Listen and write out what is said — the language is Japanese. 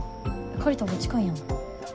借りたほうが近いやん。